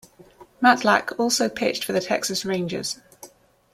Matlack also pitched for the Texas Rangers.